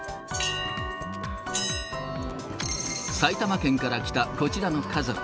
埼玉県から来た、こちらの家族。